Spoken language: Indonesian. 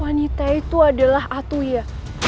wanita itu adalah atuya